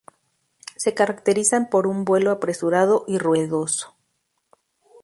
Se caracterizan por un vuelo apresurado y ruidoso.